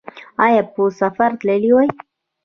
ایا په سفر تللي وئ؟